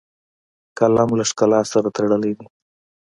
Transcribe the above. قلم له ښکلا سره تړلی دی